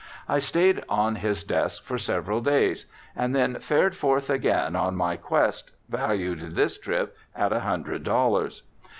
I stayed on his desk for several days, and then fared forth again on my quest, valued this trip at a hundred dollars.